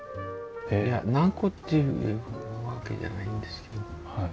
いや何個っていうわけじゃないんですけど。